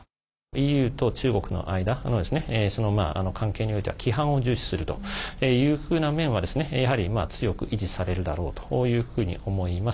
ＥＵと中国の間の関係においては規範を重視するというふうな面はやはり強く維持されるだろうというふうに思います。